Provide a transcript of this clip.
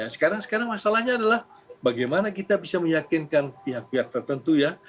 sekarang sekarang masalahnya adalah bagaimana kita bisa meyakinkan pihak pihak tertentu ya